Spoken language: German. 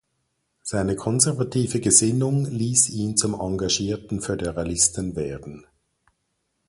Seine konservative Gesinnung liess ihn zum engagierten Föderalisten werden.